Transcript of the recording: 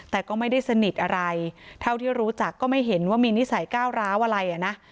แต่ก็ไม่ได้สนิทอะไรเท่าที่รู้จักก็ไม่เห็นว่ามีนิสัยก้าวร้าวอะไรอ่ะนะ